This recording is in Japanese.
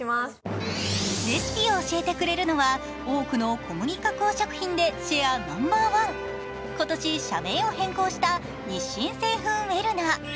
レシピを教えてくれるのは、多くの小麦加工食品でシェアナンバーワン、今年社名を変更した日清製粉ウェルナ。